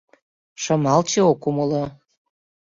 — Шымалче ок умыло.